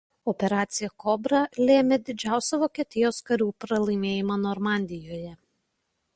Operacija „Kobra“ lėmė didžiausią Vokietijos karių pralaimėjimą Normandijoje.